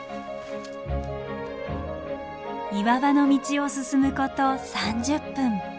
岩場の道を進むこと３０分。